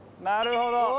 なるほど。